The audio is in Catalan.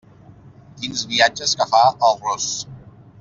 Quins viatges que fa el ros!